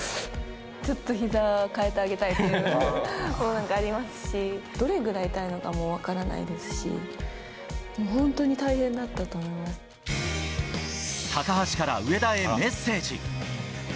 ちょっとひざ替えてあげたいって思うときありますし、どれぐらい痛いのかも分からないですし、高橋から上田へメッセージ。